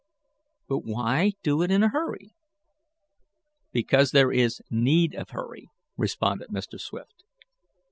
"But why do it in a hurry?" "Because there is need of hurry," responded Mr. Swift.